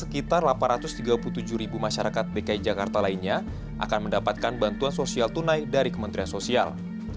pemprov dki jakarta menjelaskan bahwa sekitar delapan ratus tiga puluh tujuh ribu masyarakat dki jakarta lainnya akan mendapatkan bantuan sosial tunai dari kementerian sosial